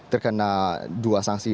terkena dua sanksi